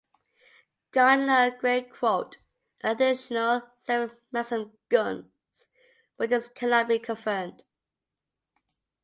Gardiner and Gray quote an additional seven Maxim guns, but this cannot be confirmed.